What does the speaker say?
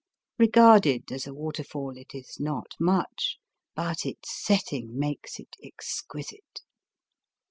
Eegarded as a waterfall it is not much, but its setting makes it exquisite.